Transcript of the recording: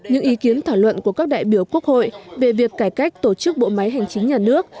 những ý kiến thảo luận của các đại biểu quốc hội về việc cải cách tổ chức bộ máy hành chính nhà nước